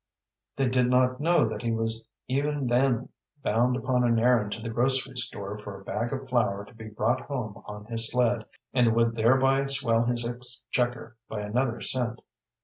They did not know that he was even then bound upon an errand to the grocery store for a bag of flour to be brought home on his sled, and would thereby swell his exchequer by another cent.